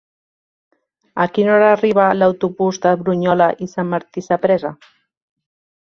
A quina hora arriba l'autobús de Brunyola i Sant Martí Sapresa?